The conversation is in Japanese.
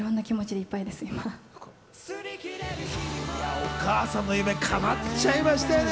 お母さんの夢、叶っちゃいましたね。